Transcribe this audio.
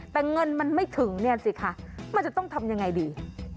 แต่เงินมันไม่ถึงเนี่ยสิคะมันจะต้องทำยังไงดี